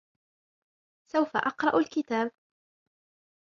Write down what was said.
سوف أقرأ الكتاب.